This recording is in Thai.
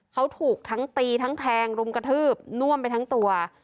เขาถูกทั้งตีทั้งแทงรุมกระทืบน่วมไปทั้งตัว